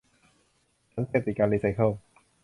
ฉันเสพติดการรีไซเคิล